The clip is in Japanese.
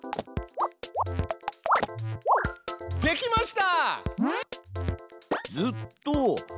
できました！